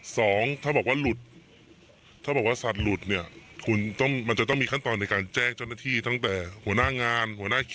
สองถ้าบอกว่าหลุดถ้าบอกว่าสัตว์หลุดเนี่ย